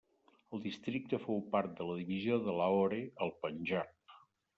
El districte fou part de la divisió de Lahore al Panjab.